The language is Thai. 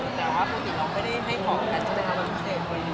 แต่ว่าผู้หญิงเราไม่ได้ให้ของกันจะได้ทำอะไรเฉพาะอย่างนี้